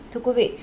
thưa quý vị